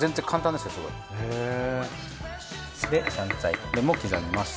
で香菜これも刻みます。